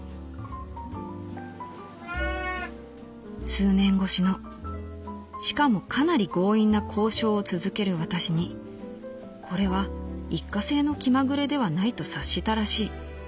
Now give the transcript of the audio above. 「数年越しのしかもかなり強引な交渉を続ける私にこれは一過性の気まぐれではないと察したらしい。